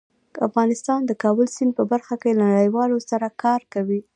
افغانستان د کابل سیند په برخه کې له نړیوالو سره کار کوي.